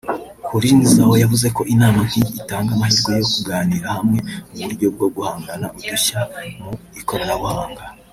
Houlin Zhao yavuze ko inama nk’iyi itanga amahirwe yo kuganira hamwe uburyo bwo guhanga udushya mu ikoranabuhanga